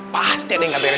pasti ada yang nggak beres